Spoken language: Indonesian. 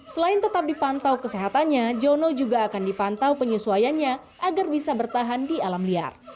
selain tetap dipantau kesehatannya jono juga akan dipantau penyesuaiannya agar bisa bertahan di alam liar